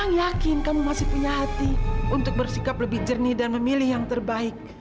aku yakin kamu masih punya hati untuk bersikap lebih jernih dan memilih yang terbaik